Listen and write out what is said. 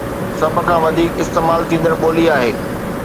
سڀ کان وڌيڪ استعمال ٿيندڙ ٻولي آهي